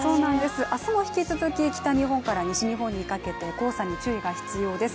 明日も引き続き北日本から西日本にかけて黄砂に注意が必要です。